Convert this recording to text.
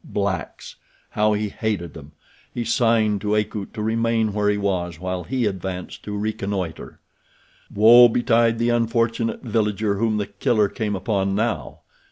Blacks! How he hated them. He signed to Akut to remain where he was while he advanced to reconnoiter. Woe betide the unfortunate villager whom The Killer came upon now.